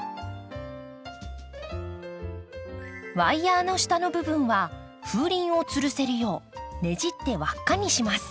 ワイヤーの下の部分は風鈴をつるせるようねじって輪っかにします。